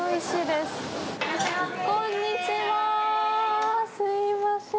すいません。